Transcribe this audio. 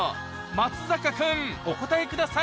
松坂君お答えください